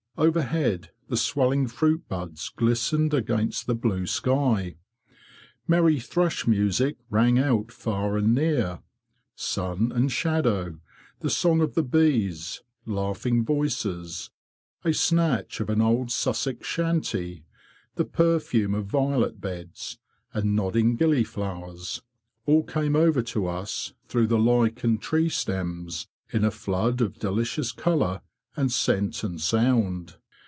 Overhead the swelling fruit buds glistened against the blue sky. Merry thrush music rang out far and near. Sun and shadow, the song of the bees, laughing voices, a snatch of an old Sussex chantie, the perfume of violet beds and nodding gillyflowers, all came over to us through the lichened tree stems, in a flood of delicious colour and scent and sound.